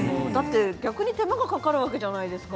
逆に手間がかかるわけじゃないですか。